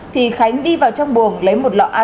thì khánh đi vào trong buồng lấy một lọ a bốn